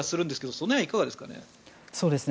その辺はいかがですかね。